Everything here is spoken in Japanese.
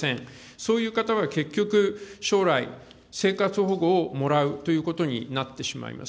そういう方は結局、将来、生活保護をもらうということになってしまいます。